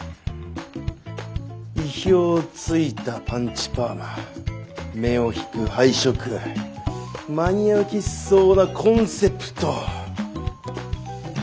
意表をついたパンチパーマ目を引く配色マニア受けしそうなコンセプト。